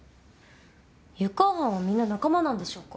湯川班はみんな仲間なんでしょうか？